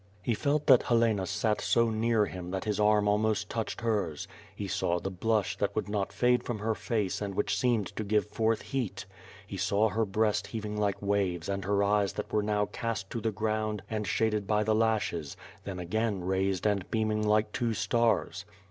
He felt that Helena sat so near him that his arm almost touched hers; he saw the blush that would not fade from her face and which seemed to give forth heat; he saw her breast heaving like ^^^aves and her eyes that were now cast to the ground and shaded by the lashes; then again raised and beaming like two stars.